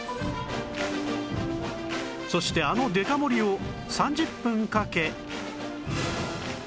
そしてあのデカ盛りを３０分かけ